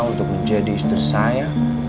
untuk menjadi istri saya